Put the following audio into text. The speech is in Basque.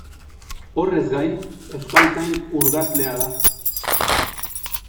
Horrez gain, euskaltzain urgazlea da.